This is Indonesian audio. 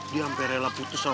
dia hampir rela putus sama nek